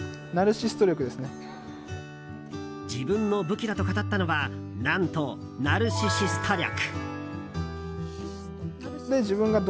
自分の武器だと語ったのは何とナルシシスト力。